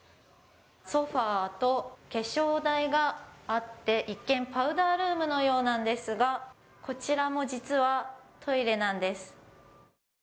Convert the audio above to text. ソファーと化粧台があって、一見、パウダールームのようなんですが、こちらも実はトイレなんです。